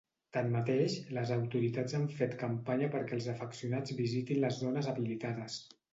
Tanmateix, les autoritats han fet campanya perquè els afeccionats visitin les zones habilitades.